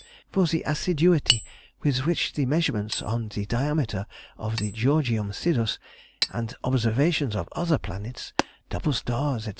For the assiduity with which the measurements on the diameter of the Georgium Sidus, and observations of other planets, double stars, &c.